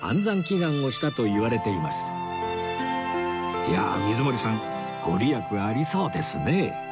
いやあ水森さん御利益ありそうですね